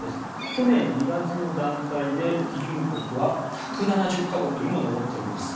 去年２月の段階で批准国は１７０か国にも上っております。